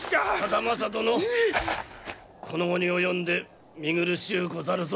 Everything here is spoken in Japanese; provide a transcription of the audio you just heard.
忠正殿この期に及んで見苦しゅうござるぞ。